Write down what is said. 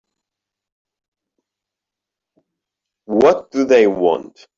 What do they want?